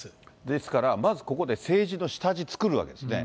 ですから、まずここで政治の下地作るわけですね。